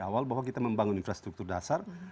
awal bahwa kita membangun infrastruktur dasar